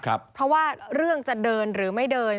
เพราะว่าเรื่องจะเดินหรือไม่เดิน